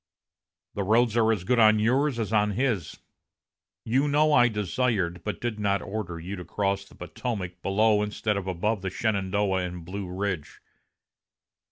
The roads are as good on yours as on his. You know I desired, but did not order, you to cross the Potomac below instead of above the Shenandoah and Blue Ridge.